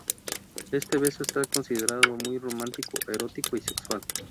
Este beso está considerado muy romántico, erótico y sexual.